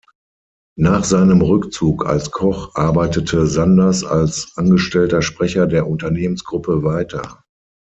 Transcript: Nach seinem Rückzug als Koch arbeitete Sanders als angestellter Sprecher der Unternehmensgruppe weiter.